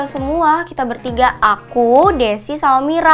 gue aja hancur gimana mama